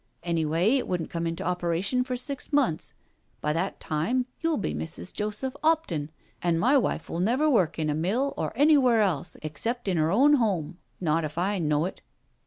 Anyway, it wouldn't come into operation for six months. By that time you'll be Mrs. Joseph 'Opton, an' my wife will never work in a mill or anywhere else, except in 'er own home, not if I know it."